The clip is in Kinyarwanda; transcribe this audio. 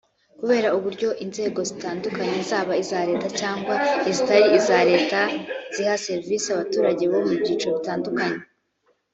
Kureba uburyo inzego zitandukanye zaba iza leta cyangwa izitari iza leta ziha serivisi abaturage mu byiciro bitandukanye